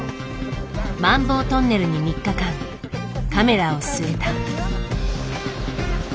マンボウトンネルに３日間カメラを据えた。